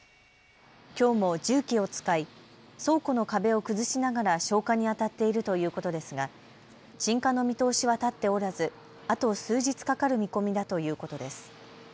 きょうも重機を使い倉庫の壁を崩しながら消火にあたっているということですが、鎮火の見通しは立っておらず、あと数日かかる見込みだということです。